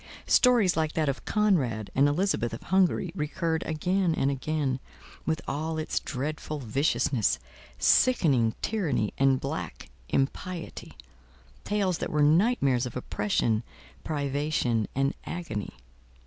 Stories like that of Conrad and Elizabeth of Hungary, recurred again and again, with all its dreadful viciousness, sickening tyranny and black impiety: tales that were nightmares of oppression, privation, and agony.